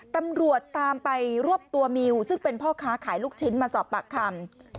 ตำรวจตามไปรวบตัวมิวซึ่งเป็นพ่อค้าขายลูกชิ้นมาสอบปากคำ